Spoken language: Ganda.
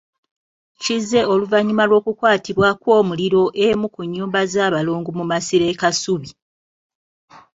Kizze oluvannyuma lw'okukwatibwa kw'omuliro emu ku nnyumba z'abalongo mu Masiro e Kasubi.